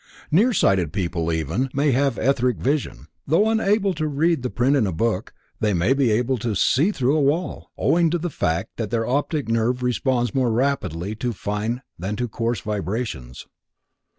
Nearsighted people even, may have etheric vision. Though unable to read the print in a book, they may be able to "see through a wall," owing to the fact that their optic nerve responds more rapidly to fine than to coarse vibrations.